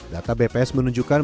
data bps menunjukkan